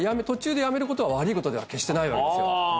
途中でやめることは悪いことでは決してないわけですよ